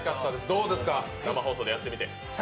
どうですか、生放送でやってみて？